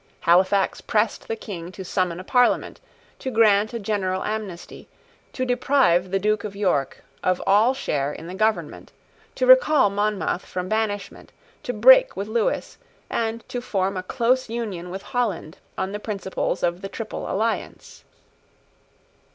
Halifax pressed the King to summon a Parliament, to grant a general amnesty, to deprive the Duke of York of all share in the government, to recall Monmouth from banishment, to break with Lewis, and to form a close union with Holland on the principles of the Triple Alliance.